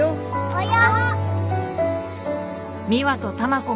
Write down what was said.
およ。